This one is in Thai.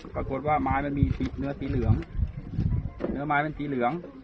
ปรากฏว่าไม้มันมีสีเนื้อสีเหลืองเนื้อไม้เป็นสีเหลือง